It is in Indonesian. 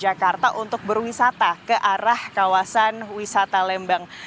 jakarta untuk berwisata ke arah kawasan wisata lembang